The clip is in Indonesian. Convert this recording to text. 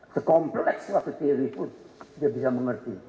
sekompleks suatu teori pun dia bisa mengerti